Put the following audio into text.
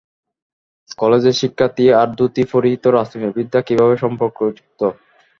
কলেজের শিক্ষার্থী আর ধুতি পরিহিত রাজনীতিবিদরা কীভাবে সম্পর্কযুক্ত?